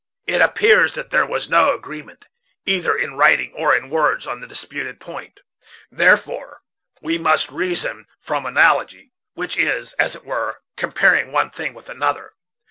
It appears that there was no agreement, either in writing or in words, on the disputed point; therefore we must reason from analogy, which is, as it were, comparing one thing with another.